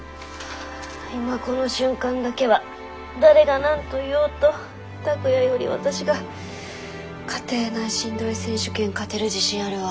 今この瞬間だけは誰が何と言おうと拓哉より私が家庭内しんどい選手権勝てる自信あるわ。